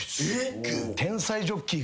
天才ジョッキーが。